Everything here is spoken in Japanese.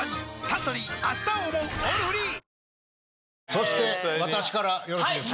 そして私からよろしいですか？